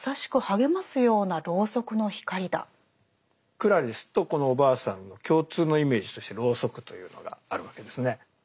クラリスとこのおばあさんの共通のイメージとしてロウソクというのがあるわけですね。